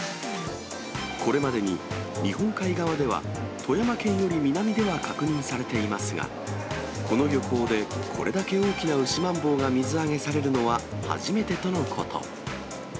これまでに日本海側では富山県より南では確認されていますが、この漁港でこれだけ大きなウシマンボウが水揚げされるのは初めてとのこと。